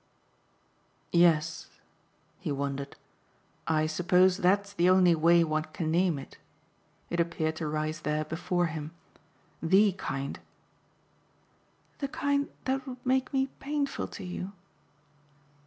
"Yes" he wondered "I suppose that's the only way one can name it." It appeared to rise there before him. "THE kind!" "The kind that would make me painful to you.